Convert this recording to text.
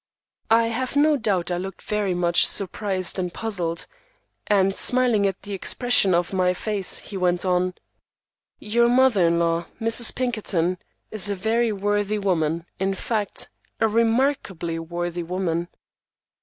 I have no doubt I looked very much surprised and puzzled, and smiling at the expression of my face, he went on,— "Your mother in law, Mrs. Pinkerton, is a very worthy woman; in fact, a remarkably worthy woman."